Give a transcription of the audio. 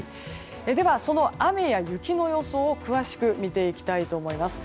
では、その雨や雪の予想を詳しく見ていきたいと思います。